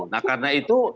nah karena itu